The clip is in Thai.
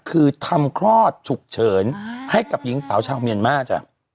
คือทำคลอดฉุกเฉินให้กับหญิงสาวชาวเมียนมาร์จ